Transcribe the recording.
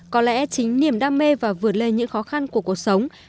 có lẽ chính niềm đam mê và vượt lên những khó khăn của cuộc sống